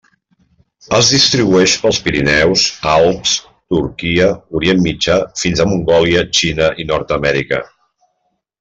Es distribueix pels Pirineus, Alps, Turquia, Orient Mitjà fins a Mongòlia, Xina i Nord-amèrica.